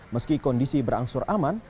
meski kondisi berangsur aman